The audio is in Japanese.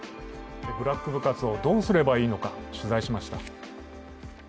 ブラック部活をどうすればいいのか、取材しました。